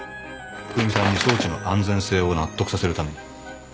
冬美さんに装置の安全性を納得させるために。